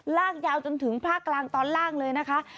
ลากยาวจนถึงภาคกลางตอนล่างเลยนะคะ